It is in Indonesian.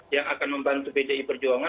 yang akan membantu pdi perjuangan